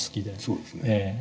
そうですね。